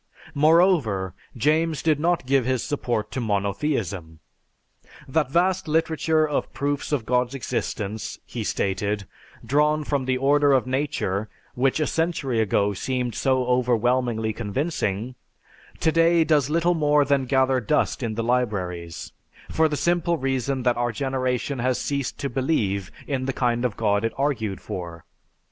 Moreover, James did not give his support to monotheism. "That vast literature of proofs of God's existence," he stated, "drawn from the order of nature, which a century ago seemed so overwhelmingly convincing, today does little more than gather dust in the libraries, for the simple reason that our generation has ceased to believe in the kind of God it argued for.